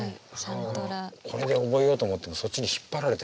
これで覚えようと思ってもそっちに引っ張られて。